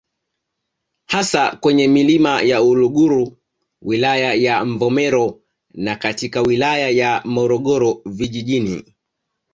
Hasa kwenye Milima ya Uluguru wilaya ya Mvomero na katika wilaya ya Morogoro vijijini